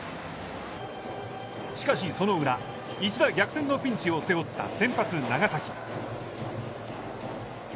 しかし、その裏。一打逆転のピンチを背負った先発、長崎。